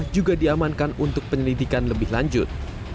juga diamankan untuk penyelidikan lebih lanjut